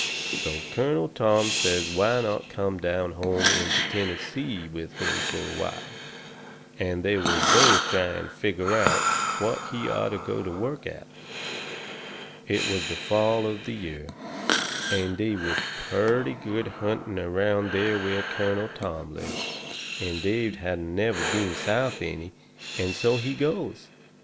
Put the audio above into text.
So Colonel Tom says why not come down home into Tennessee with him fur a while, and they will both try and figger out what he orter go to work at. It was the fall of the year, and they was purty good hunting around there where Colonel Tom lived, and Dave hadn't never been South any, and so he goes.